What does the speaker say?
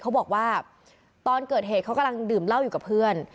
เขาบอกว่าตอนเกิดเหตุเขากำลังดื่มเหล้าอยู่กับเพื่อน